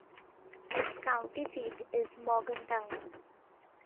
Its county seat is Morgantown.